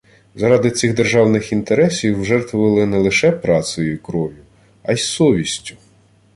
Заради цих «державних інтересів» жертвували – не лише працею і кров'ю, а й совістю